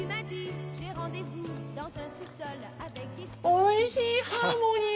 おいしいハーモニー！